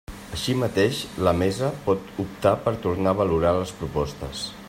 Així mateix la Mesa pot optar per tornar a valorar les propostes.